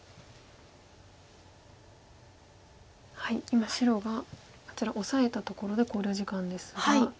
今白があちらオサえたところで考慮時間ですが。